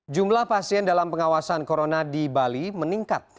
jumlah pasien dalam pengawasan corona di bali meningkat